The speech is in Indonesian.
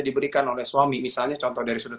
diberikan oleh suami misalnya contoh dari sudut